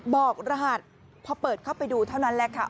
กรหัสพอเปิดเข้าไปดูเท่านั้นแหละค่ะ